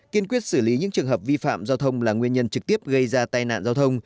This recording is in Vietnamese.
kiên quyết xử lý những trường hợp vi phạm giao thông là nguyên nhân trực tiếp gây ra tai nạn giao thông